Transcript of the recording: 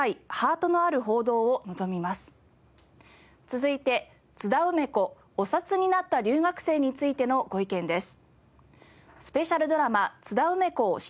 続いて『津田梅子お札になった留学生』についてのご意見です。